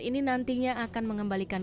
ini nantinya akan mengembalikan